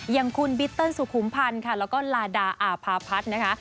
อย่างคุณบิตเติ้ลสุขุมพันธ์ค่ะแล้วก็ลาดาอาภาพัฒน์นะคะ